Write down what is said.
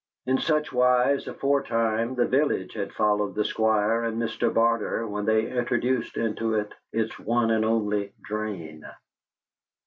In such wise, aforetime, the village had followed the Squire and Mr. Barter when they introduced into it its one and only drain.